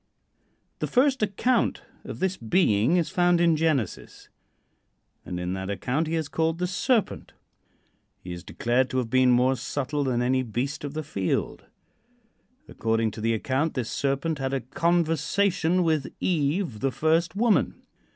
The first account of this being is found in Genesis, and in that account he is called the "Serpent." He is declared to have been more subtle than any beast of the field. According to the account, this Serpent had a conversation with Eve, the first woman.